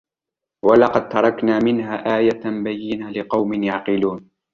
وَلَقَدْ تَرَكْنَا مِنْهَا آيَةً بَيِّنَةً لِقَوْمٍ يَعْقِلُونَ